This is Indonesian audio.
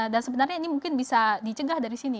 dan sebenarnya ini mungkin bisa dicegah dari sini